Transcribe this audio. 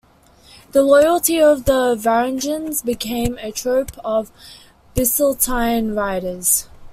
The loyalty of the Varangians became a trope of Byzantine writers.